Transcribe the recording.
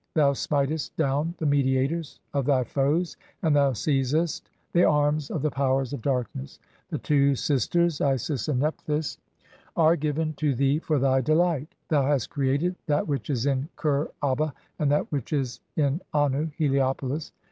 Thou smitest "down the mediators (i38) of thy foes, and thou seizest the arms "of the powers of darkness. The two sisters (;'. e., Isis and Nephthys) ADORATION OF THE GODS OF CITIES. 59 "are given to thee for thy delight. (i3g) Thou hast created that "which is in Kher aba and that which is in Annu (Heliopolis).